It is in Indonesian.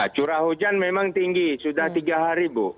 curah hujan memang tinggi sudah tiga hari bu